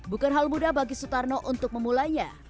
bukan hal mudah bagi sutarno untuk memulainya